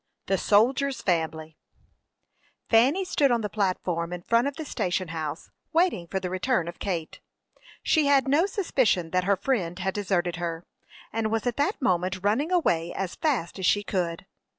THE SOLDIER'S FAMILY. Fanny stood on the platform in front of the station house, waiting for the return of Kate. She had no suspicion that her friend had deserted her, and was at that moment running away as fast as she could.